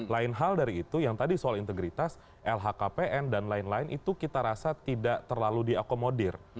lain hal dari itu yang tadi soal integritas lhkpn dan lain lain itu kita rasa tidak terlalu diakomodir